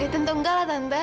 tentu enggak lah tante